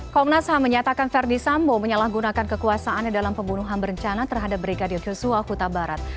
komnas ham menyatakan verdi sambo menyalahgunakan kekuasaannya dalam pembunuhan berencana terhadap brigadir joshua huta barat